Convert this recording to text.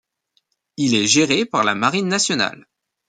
Il est géré par la Marine nationale.